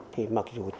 thì mặc dù